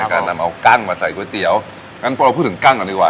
การนำเอากั้นมาใส่ก๋วยเตี๋ยวงั้นพอเราพูดถึงกั้งก่อนดีกว่า